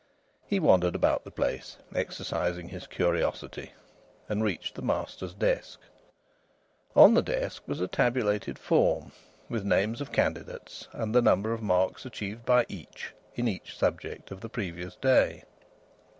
He wandered about the place exercising his curiosity, and reached the master's desk. On the desk was a tabulated form with names of candidates and the number of marks achieved by each in each subject of the previous day.